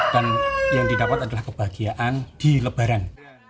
dan yang didapat adalah kebahagiaan di lebaran